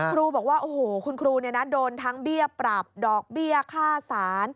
ครูบอกว่าโอ้โหคุณครูโดนทั้งเบี้ยปรับดอกเบี้ยค่าสาร